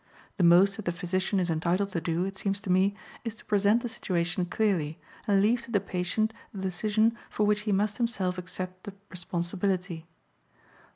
The most that the physician is entitled to do, it seems to me, is to present the situation clearly, and leave to the patient a decision for which he must himself accept the responsibility.